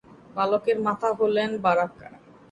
বালকের মাতা হলেন বারাকা।